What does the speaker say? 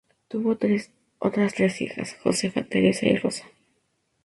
Tuvo otras tres hijas: Josefa, Teresa y Rosa.